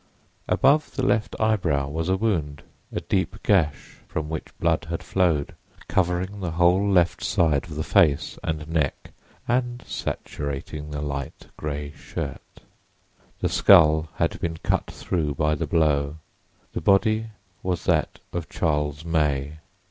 Above the left eyebrow was a wound—a deep gash from which blood had flowed, covering the whole left side of the face and neck and saturating the light gray shirt. The skull had been cut through by the blow. The body was that of Charles May.